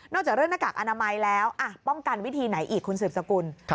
จากเรื่องหน้ากากอนามัยแล้วป้องกันวิธีไหนอีกคุณสืบสกุล